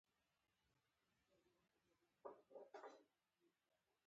د محلول د قطراتو شمېر حساب کړئ.